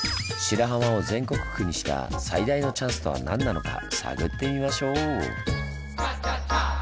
白浜を全国区にした最大のチャンスとは何なのか探ってみましょう！